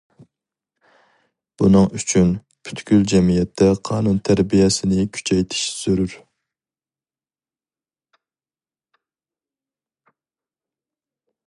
بۇنىڭ ئۈچۈن پۈتكۈل جەمئىيەتتە قانۇن تەربىيەسىنى كۈچەيتىش زۆرۈر.